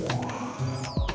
pak geng gua kecil